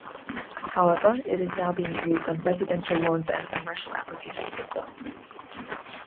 However, it is now being used on residential lawns and commercial applications as well.